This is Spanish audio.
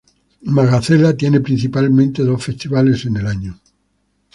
Magacela tiene principalmente dos festividades en el año.